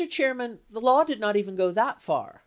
Chairman, the law did not even go that far.